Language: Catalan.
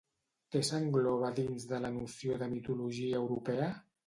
Què s'engloba dins de la noció de mitologia europea?